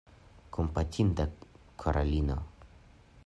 Kompatinda Karolino!